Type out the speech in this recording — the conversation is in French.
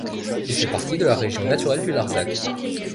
Il fait partie de la région naturelle du Larzac.